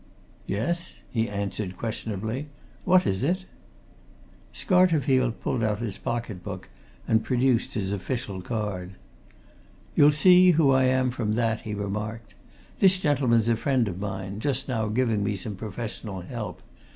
"Yes?" he answered questionably. "What is it?" Scarterfield pulled out his pocket book and produced his official card. "You'll see who I am from that," he remarked. "This gentleman's a friend of mine just now giving me some professional help.